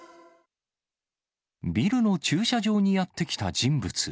ビルの駐車場にやって来た人物。